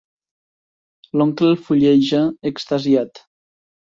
L'oncle el fulleja, extasiat.